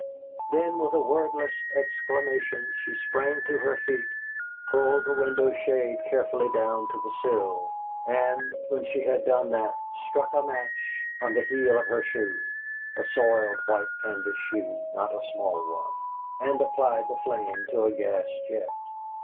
Then, with a wordless exclamation, she sprang to her feet, pulled the window shade carefully down to the sill, and, when she had done that, struck a match on the heel of her shoe a soiled white canvas shoe, not a small one and applied the flame to a gas jet.